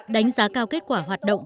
đánh giá cao kết quả hoạt động